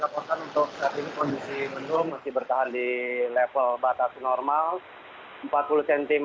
kondisi mendung masih bertahan di level batas normal empat puluh cm